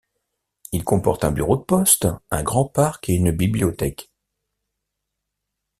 Il comporte un bureau de poste, un grand parc et une bibliothèque.